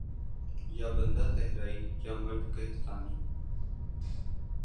یا بندہ صحرائی یا مرد کہستانی